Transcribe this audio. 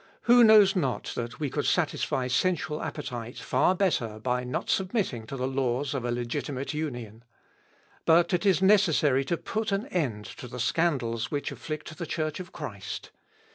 Who knows not that we could satisfy sensual appetite far better by not submitting to the laws of a legitimate union? But it is necessary to put an end to the scandals which afflict the church of Christ.